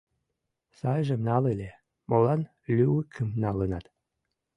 Сайжым нал ыле, молан лӱвыкым налынат?